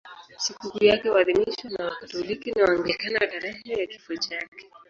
Sikukuu yake huadhimishwa na Wakatoliki na Waanglikana tarehe ya kifo chake.